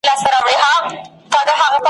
چي نړیږي که له سره آبادیږي `